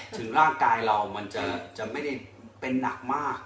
ถึงร่างกายเรามันจะไม่ได้เป็นหนักมาก